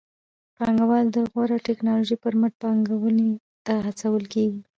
پانګوال د غوره ټکنالوژۍ پر مټ پانګونې ته هڅول کېږي.